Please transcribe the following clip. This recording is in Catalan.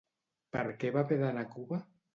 Per què va haver d'anar a Cuba?